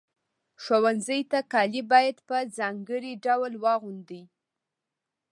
ښوونځي ته کالي باید په ځانګړي ډول واغوندئ.